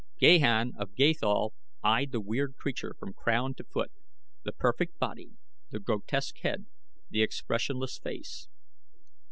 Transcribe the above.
Gahan of Gathol eyed the weird creature from crown to foot the perfect body, the grotesque head, the expressionless face.